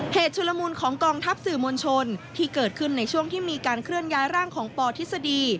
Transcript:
ชุลมูลของกองทัพสื่อมวลชนที่เกิดขึ้นในช่วงที่มีการเคลื่อนย้ายร่างของปทฤษฎี